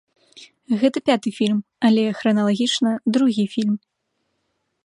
Гэта пяты фільм, але храналагічна другі фільм.